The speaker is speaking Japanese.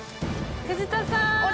藤田さん